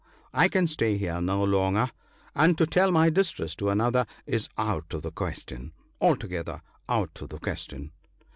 " I can stay here no longer ; and to tell my distress to another is out of the question — altogether out of the question